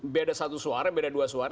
beda satu suara beda dua suara